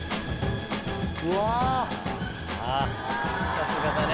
さすがだね。